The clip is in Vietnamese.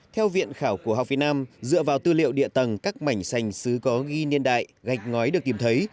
theo viện khảo cổ học việt nam dựa vào tư liệu địa tầng các mảnh xanh xứ có ghi niên đại gạch ngói được tìm thấy